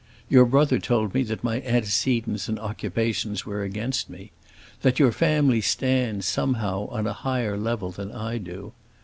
Your brother told me that my antecedents and occupations were against me; that your family stands, somehow, on a higher level than I do.